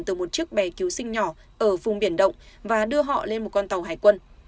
từ một chiếc bè cứu sinh nhỏ ở vùng biển động và đưa họ lên một con tàu hải quân